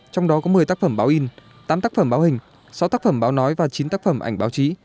trong đó có một mươi tác phẩm báo in tám tác phẩm báo hình sáu tác phẩm báo nói và chín tác phẩm ảnh báo chí